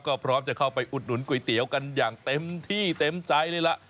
ก็พร้อมจะเข้าไปอุดหนุนก๋วยเตี๋ยวกันอย่างเต็มที่เต็มใจเลยล่ะ